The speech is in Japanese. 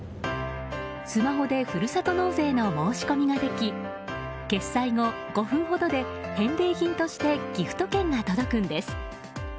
スマホで、ふるさと納税の申し込みができ決済後５分ほどで、返礼品としてギフト券が届くんです。